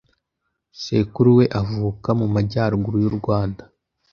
Sekuru we avuka mu Majyaruguru y’u Rwanda